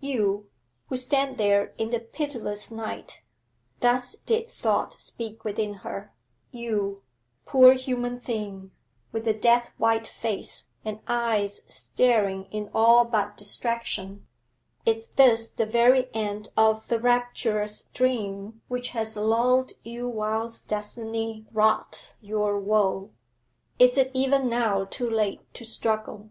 'You, who stand there in the pitiless night' thus did thought speak within her 'you, poor human thing, with the death white face and eyes staring in all but distraction, is this the very end of the rapturous dream which has lulled you whilst destiny wrought your woe? Is it even now too late to struggle?